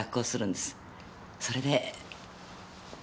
それで。